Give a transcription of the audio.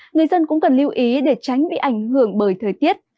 người dân cũng cần lưu ý để tránh bị ảnh hưởng bởi thời tiết